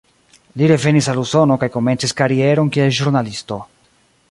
Li revenis al Usono kaj komencis karieron kiel ĵurnalisto.